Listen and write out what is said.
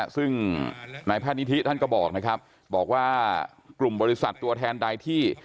ซึ่งนายแพทย์นิธิท่านก็บอกนะครับบอกว่ากลุ่มบริษัทตัวแทนใดที่